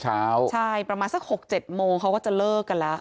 ใช่ประมาณสัก๖๗โมงเขาก็จะเลิกกันแล้ว